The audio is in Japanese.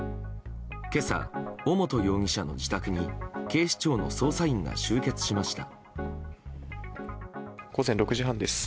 今朝、尾本容疑者の自宅に警視庁の捜査員が集結しました。